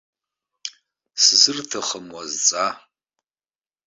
Сзырҭахым уазҵаа.